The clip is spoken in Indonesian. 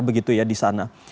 begitu ya disana